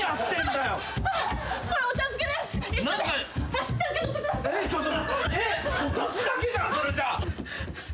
だしだけじゃんそれじゃ！